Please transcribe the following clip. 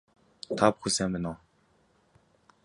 Та бүхэн сайн байна уу